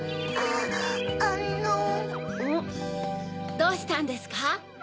どうしたんですか？